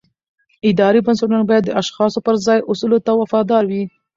اداري بنسټونه باید د اشخاصو پر ځای اصولو ته وفادار وي